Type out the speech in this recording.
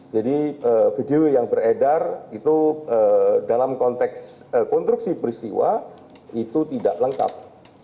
jadi video yang beredar itu dalam konteks konstruksi peristiwa itu tidak lengkap